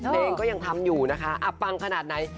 เพลงก็ยังทำอยู่นะคะปังขนาดไหน